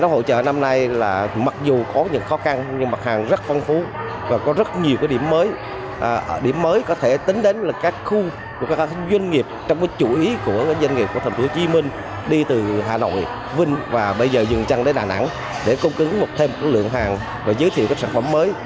hội trợ hàng việt đà nẵng năm nay mặc dù diễn ra trong bối cảnh sau ảnh hưởng của dịch bệnh và thiên tài